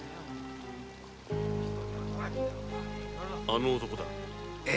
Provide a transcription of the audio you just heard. あの男だ。